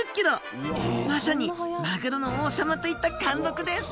まさにマグロの王様といった貫禄です